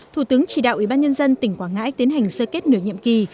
thủ tướng chỉ đạo ủy ban nhân dân tỉnh quảng ngãi tiến hành sơ kết nửa nhiệm kỳ